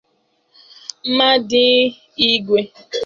ma ndị igwe